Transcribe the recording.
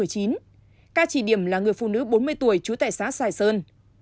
ca chỉ điểm là người phụ nữ bốn mươi tuổi trú tại xã sài sơn